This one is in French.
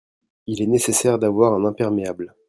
il est nécessaire d'avoir un imperméable.